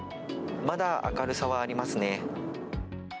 まだ明るさはありますね。